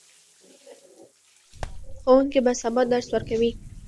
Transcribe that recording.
ښوونکي به سبا درس ورکوي.